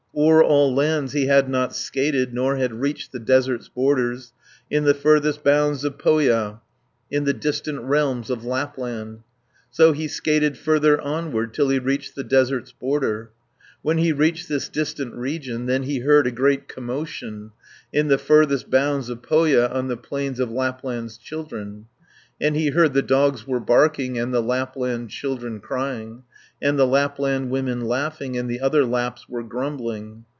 160 O'er all lands he had not skated, Nor had reached the desert's borders, In the furthest bounds of Pohja, In the distant realms of Lapland, So he skated further onward, Till he reached the desert's borders. When he reached this distant region, Then he heard a great commotion, In the furthest bounds of Pohja, On the plains of Lapland's children. 170 And he heard the dogs were barking, And the Lapland children crying, And the Lapland women laughing, And the other Lapps were grumbling.